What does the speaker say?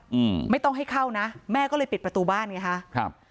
อืมไม่ต้องให้เข้านะแม่ก็เลยปิดประตูบ้านไงฮะครับ